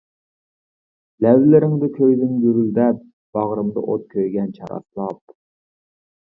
لەۋلىرىڭدە كۆيدۈم گۈرۈلدەپ، باغرىمدا ئوت كۆيگەن چاراسلاپ.